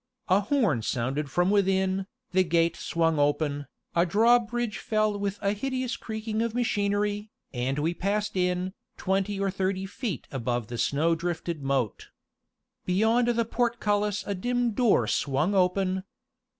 A horn sounded from within, the gate swung open, a drawbridge fell with a hideous creaking of machinery, and we passed in, twenty or thirty feet above the snow drifted moat. Beyond the portcullis a dim door swung open.